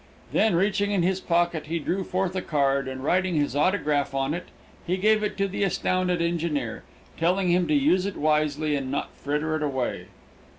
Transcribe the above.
Then, reaching in his pocket, he drew forth a card, and writing his autograph on it, he gave it to the astounded engineer, telling him to use it wisely and not fritter it away.